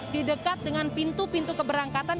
di dekat dengan pintu pintu keberangkatan